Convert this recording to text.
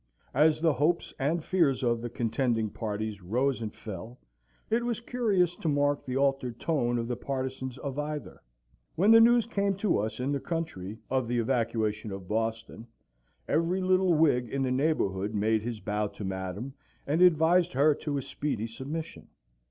As the hopes and fears of the contending parties rose and fell, it was curious to mark the altered tone of the partisans of either. When the news came to us in the country of the evacuation of Boston, every little Whig in the neighbourhood made his bow to Madam, and advised her to a speedy submission.